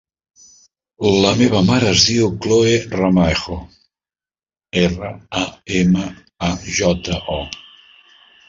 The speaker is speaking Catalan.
La meva mare es diu Chloe Ramajo: erra, a, ema, a, jota, o.